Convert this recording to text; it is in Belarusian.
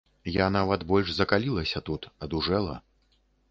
Я нават больш закалілася тут, адужэла.